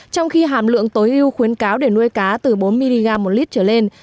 trong khi hàm lượng tối ưu khuyến cáo để nuôi cá từ bốn mg một lít trở lên